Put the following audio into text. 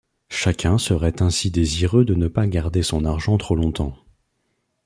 Chacun serait ainsi désireux de ne pas garder son argent trop longtemps.